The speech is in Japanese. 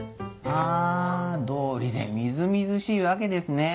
あぁどうりでみずみずしいわけですね。